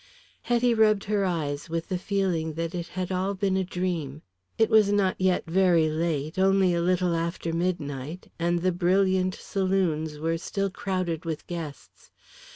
Hetty rubbed her eyes with the feeling that it had all been a dream. It was not yet very late, only a little after midnight, and the brilliant saloons were still crowded with guests.